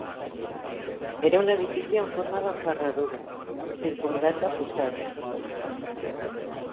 Era un edifici en forma de ferradura circumdat de fossats.